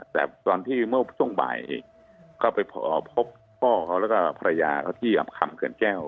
แต่ตอนที่เมื่อวันต้นต้องบ่ายก็ไปพบพ่อเขาและภรรยาเขาที่อาบคำเกินแก้ว